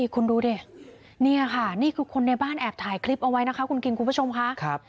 คุณดูดินี่ค่ะนี่คือคนในบ้านแอบถ่ายคลิปเอาไว้นะคะคุณคิงคุณผู้ชมค่ะ